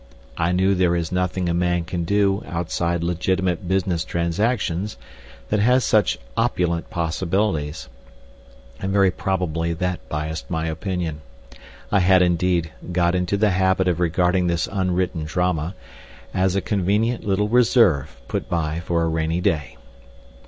I knew there is nothing a man can do outside legitimate business transactions that has such opulent possibilities, and very probably that biased my opinion. I had, indeed, got into the habit of regarding this unwritten drama as a convenient little reserve put by for a rainy day.